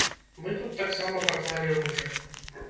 Мы тут таксама паклалі ружы.